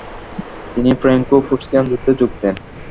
তিনি ফ্রাঙ্কো-প্রুশিয়ান যুদ্ধে যোগ দেন।